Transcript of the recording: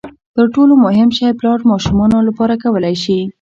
تر ټولو مهم شی پلار ماشومانو لپاره کولای شي.